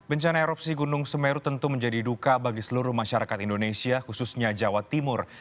bencana erupsi gunung semeru tentu menjadi duka bagi seluruh masyarakat indonesia khususnya jawa timur